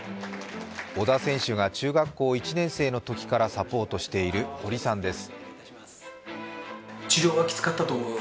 小田選手が中学校１年生のときからサポートしている堀さんです。